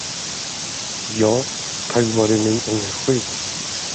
Ja, tack vare min energi.